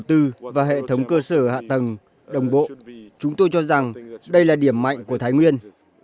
đầu tư và hệ thống cơ sở hạ tầng đồng bộ chúng tôi cho rằng đây là điểm mạnh của thái nguyên